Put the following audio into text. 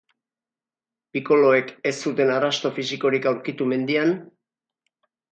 Pikoloek ez zuten arrasto fisikorik aurkitu mendian?